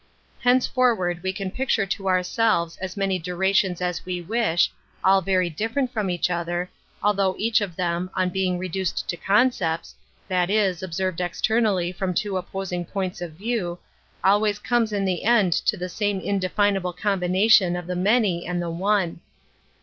Hencefor ward we can picture to ourselves as many durations as we wish, all very different from each other, although each of them, on being reduced to concepts — that is, observed externally from two opposing points of view — ^always comes in the end to the same in definable combination of the many and the one.